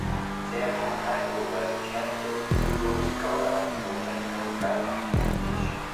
Their full title was the 'Kent Zoological and Botanical Gardens Institution'.